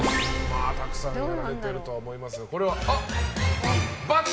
たくさんやられてるとは思いますがこれは？×。